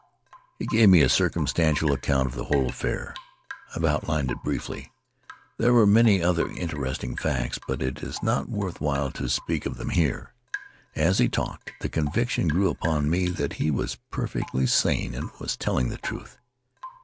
He gave me a circumstantial account of the whole affair. I have outlined it briefly. There were many other interesting facts, but it is not worth while to speak of them here. As he talked, the conviction grew upon me that he was perfectly sane and was telling the truth.